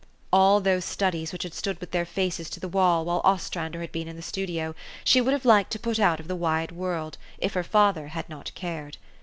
All those studies which had stood with their faces to the wall while Ostrander had been in the studio, she would have liked to put out of the wide world, if her father had not cared.